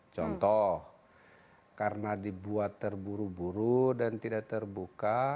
contoh karena dibuat terburu buru dan tidak terbuka